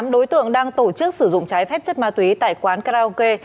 tám đối tượng đang tổ chức sử dụng trái phép chất ma túy tại quán karaoke